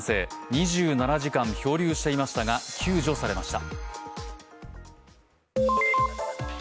２７時間漂流していましたが、救助されました。